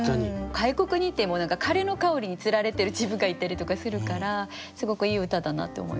外国に行ってもカレーの香りに釣られてる自分がいたりとかするからすごくいい歌だなって思いました。